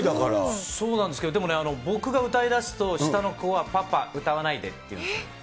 そうなんですけど、でもね、僕が歌いだすと、下の子は、パパ、歌わないでって言うんですよ。